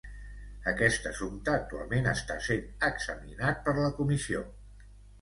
Aquest assumpte actualment està sent examinat per la Comissió.